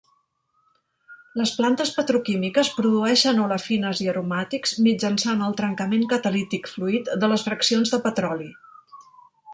Les plantes petroquímiques produeixen olefines i aromàtics mitjançant el trencament catalític fluid de les fraccions de petroli.